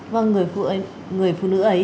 vâng người phụ nữ ấy